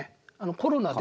コロナで。